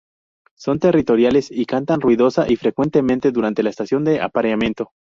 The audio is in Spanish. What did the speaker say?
Son territoriales y cantan ruidosa y frecuentemente durante la estación de apareamiento.